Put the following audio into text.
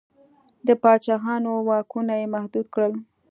د پاچاهانو واکونه یې محدود کړل.